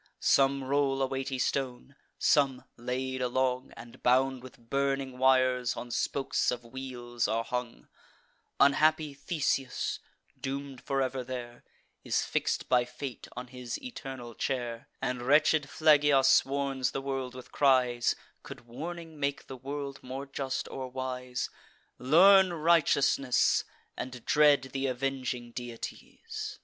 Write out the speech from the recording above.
Some roll a weighty stone; some, laid along, And bound with burning wires, on spokes of wheels are hung Unhappy Theseus, doom'd for ever there, Is fix'd by fate on his eternal chair; And wretched Phlegyas warns the world with cries (Could warning make the world more just or wise): 'Learn righteousness, and dread th' avenging deities.